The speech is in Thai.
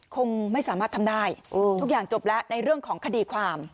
คงไม่สามารถทำได้ทุกอย่างจบแล้วในเรื่องของคดีความ